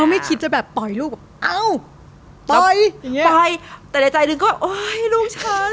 เราไม่คิดจะแบบปล่อยลูกแบบเอ้าปล่อยอย่างเงี้ยปล่อยแต่ในใจหนึ่งก็ว่าโอ้ยลูกฉัน